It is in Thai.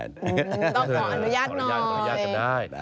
ก็ก่อนอนุญาตหน่อยก่อนอนุญาตหน่อย